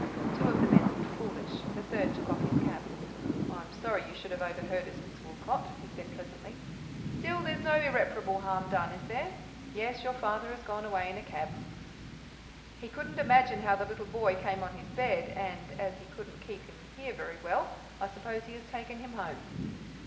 Two of the men looked foolish, the third took off his cap. "I am sorry you should have overheard us, Miss Woolcot," he said pleasantly. "Still, there is no irreparable harm done, is there? Yes, your father has gone away in a cab. He couldn't imagine how the little boy came on his bed, and, as he couldn't keep him here very well, I suppose he has taken him home."